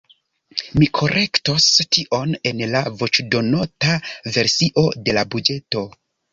Mi korektos tion en la voĉdonota versio de la buĝeto.